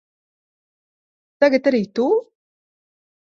Tagad arī tu?